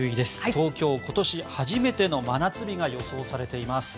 東京、今年初めての真夏日が予想されています。